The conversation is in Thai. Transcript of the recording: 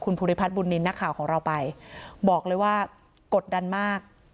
ภูริพัฒนบุญนินทร์นักข่าวของเราไปบอกเลยว่ากดดันมาก